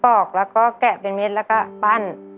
ออกแล้วก็แกะเป็นเม็ดแล้วก็ปั้น